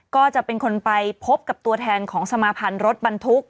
ก็จะเป็นคนไปพบกับตัวแทนของสมาพันธ์รถบรรทุก